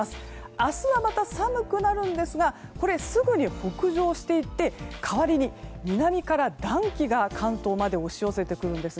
明日は、また寒くなるんですがすぐに北上していって代わりに、南から暖気が関東に押し寄せます。